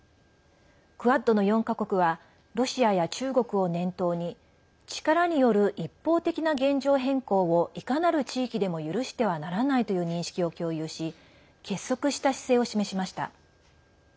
クアッドの４か国はロシアや中国を念頭に力による一方的な現状変更をいかなる地域でも許してはならないという認識を共有し結束した姿勢を示しました。